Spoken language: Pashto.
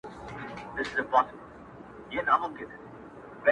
کۀ تاته ياد سي پۀ خبرو بۀ مو شپه وهله,